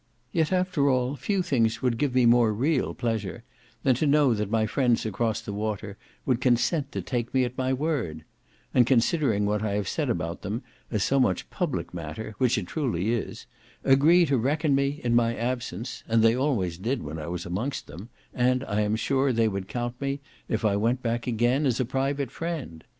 "Yet, after all, few things would give me more real pleasure, than to know that my friends across the water would consent to take me at my word; and, considering what I have said about them as so much public matter, which it truly is, agree to reckon me, in my absence, and they always did, when I was amongst them, and, I am sure, they would count me, if I went back again, as a private friend.